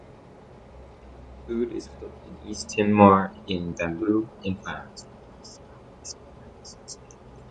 Food is cooked in East Timor in bamboo in fire.